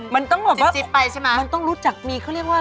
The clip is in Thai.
มันมารู้หรือไม่